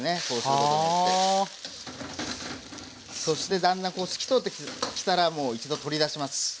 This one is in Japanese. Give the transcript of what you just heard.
そしてだんだんこう透き通ってきたら一度取り出します。